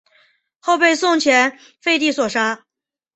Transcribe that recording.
后被宋前废帝所杀。